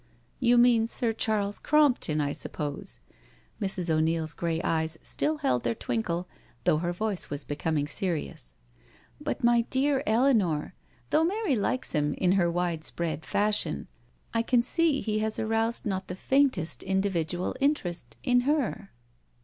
"You mean Sir Charles Crompton, I suppose?" Mrs. 0*Neil's grey eyes still held their twinkle, though her voice was becomingly serious. " But, my dear Eleanor, though Mary likes him in her widespread fashion, I 'can see he has aroused not the faintest indi vidual interest in her."